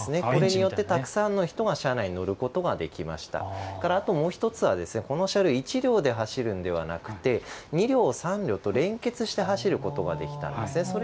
一度にたくさんの人が乗ることができまして、もう１つはこの車両１両で走るのではなく２両３両と連結して走ることができるんです。